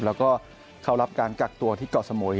แล้วก็เข้ารับการกักตัวที่เกาะสมุย